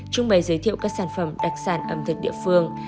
trưng bày giới thiệu các sản phẩm đặc sản ẩm thực địa phương